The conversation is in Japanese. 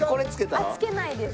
あっつけないです。